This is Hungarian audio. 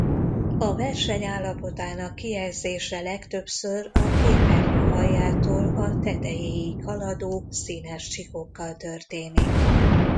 A verseny állapotának kijelzése legtöbbször a képernyő aljától a tetejéig haladó színes csíkokkal történik.